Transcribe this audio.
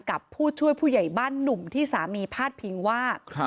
กับผู้ช่วยผู้ใหญ่บ้านหนุ่มที่สามีพาดพิงว่า